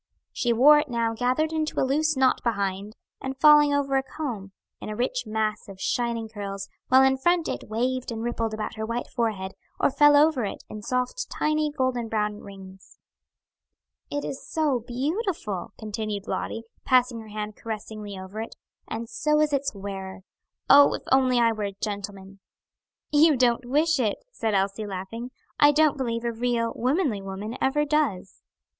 She wore it now gathered into a loose knot behind, and falling over a comb, in a rich mass of shining curls, while in front it waved and rippled above her white forehead, or fell over it, in soft, tiny, golden brown rings. "It is so beautiful!" continued Lottie, passing her hand caressingly over it; "and so is its wearer. Oh, if I were only a gentleman!" "You don't wish it," said Elsie, laughing. "I don't believe a real, womanly woman ever does."